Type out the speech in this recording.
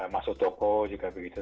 masuk toko juga begitu